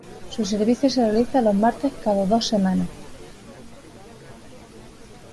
Su servicio se realiza los martes cada dos semanas.